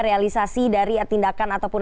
realisasi dari tindakan ataupun